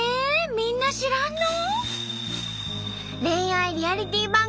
みんな知らんの？